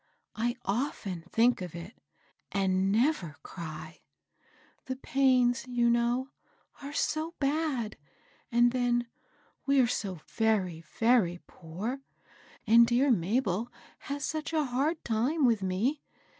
I often think of it, and never cry. The pains, you know, are so bad 1 and then we're so very, very poor ; and dear Mabel has such a hard time with me.